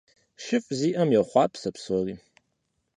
ШыфӀ зиӀэм йохъуапсэ псори.